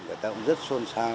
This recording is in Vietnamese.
người ta cũng rất xôn xao